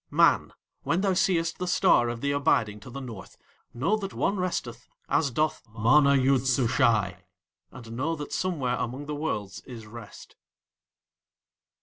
Man, when thou seest the Star of the Abiding to the North, know that one resteth as doth MANA YOOD SUSHAI, and know that somewhere among the Worlds is rest.